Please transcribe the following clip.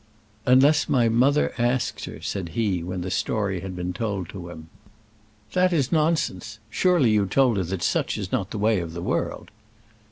"Unless my mother asks her," said he, when the story had been told him. "That is nonsense. Surely you told her that such is not the way of the world."